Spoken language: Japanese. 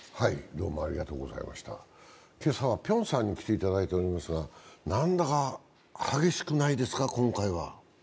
今朝は辺さんに来ていただいておりますが、何だか激しくないですか、今回は。